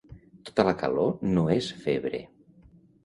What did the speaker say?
Tota la calor no és febre.